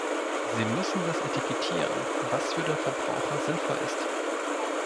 Sie müssen das etikettieren, was für den Verbraucher sinnvoll ist.